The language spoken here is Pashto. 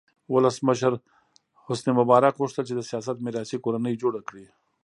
ولسمشر حسن مبارک غوښتل چې د سیاست میراثي کورنۍ جوړه کړي.